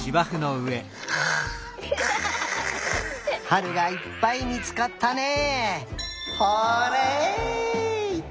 はるがいっぱいみつかったね！